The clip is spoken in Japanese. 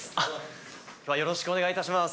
きょうはよろしくお願いいたします。